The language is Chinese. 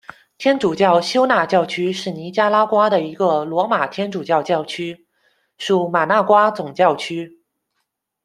天主教休纳教区是尼加拉瓜一个罗马天主教教区，属马那瓜总教区。